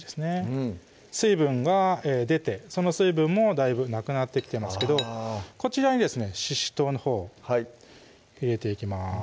うん水分が出てその水分もだいぶなくなってきてますけどこちらにですねししとうのほう入れていきます